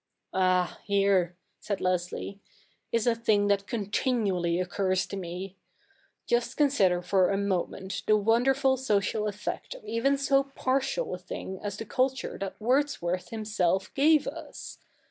'Ah, here,' said Leslie, 'is a thing that continually occurs to me. Just consider for a moment the wonder ful social effect of even so partial a thing as the culture that Wordsworth himself gave us.